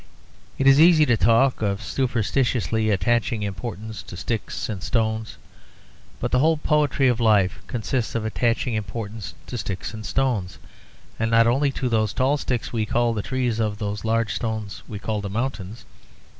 It is easy to talk of superstitiously attaching importance to sticks and stones, but the whole poetry of life consists of attaching importance to sticks and stones; and not only to those tall sticks we call the trees or those large stones we call the mountains.